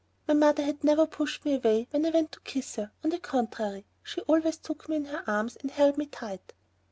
My mother had never pushed me away when I went to kiss her; on the contrary, she always took me in her arms and held me tight.